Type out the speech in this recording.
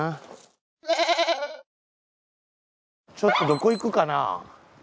ちょっとどこ行くかな？